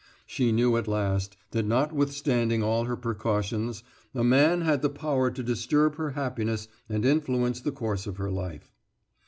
She knew at last that, notwithstanding all her precautions, a man had the power to disturb her happiness and influence the course of her life.